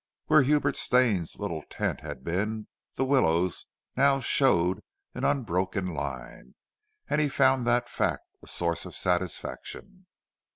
Where Hubert Stane's little tent had been the willows now showed an unbroken line, and he found that fact a source of satisfaction.